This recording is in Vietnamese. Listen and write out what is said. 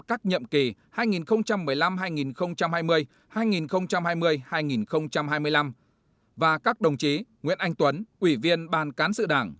các nhiệm kỳ hai nghìn một mươi năm hai nghìn hai mươi hai nghìn hai mươi hai nghìn hai mươi năm và các đồng chí nguyễn anh tuấn ủy viên ban cán sự đảng